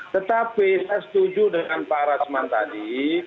tetapi saya setuju dengan pak rasman tadi